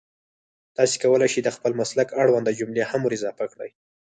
تاسو کولای شئ د خپل مسلک اړونده جملې هم ور اضافه کړئ